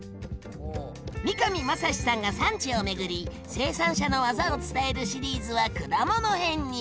三上真史さんが産地を巡り生産者のわざを伝えるシリーズは果物編に！